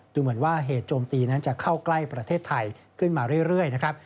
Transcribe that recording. ดูเหมือนว่าเหตุโจมตีนั้นจะเข้าใกล้ประเทศไทยขึ้นมาเรื่อยนะครับ